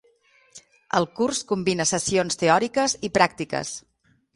El curs combina sessions teòriques i pràctiques.